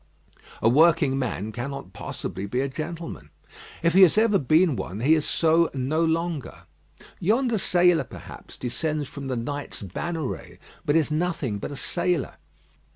A working man cannot possibly be a gentleman. If he has ever been one, he is so no longer. Yonder sailor, perhaps, descends from the Knights Bannerets, but is nothing but a sailor.